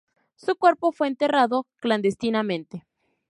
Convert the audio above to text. Su cuerpo fue enterrado clandestinamente.